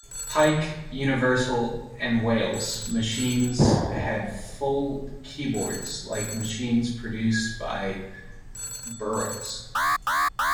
Pike, Universal, and Wales machines had full keyboards like the machines produced by Burroughs.